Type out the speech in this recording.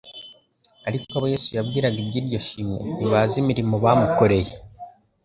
Ariko abo Yesu yabwiraga iby'iryo shimwe, ntibazi imirimo bamukoreye.